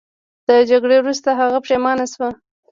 د جګړې وروسته هغه پښیمانه شو.